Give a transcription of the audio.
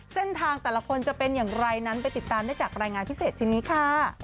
แต่ละคนจะเป็นอย่างไรนั้นไปติดตามได้จากรายงานพิเศษชิ้นนี้ค่ะ